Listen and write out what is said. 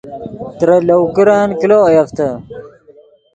ترے لَوْکرن کلو اویفتے